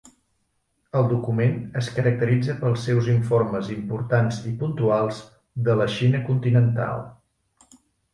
El document es caracteritza pels seus informes importants i puntuals de la Xina continental.